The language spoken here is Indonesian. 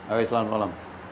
oke selamat malam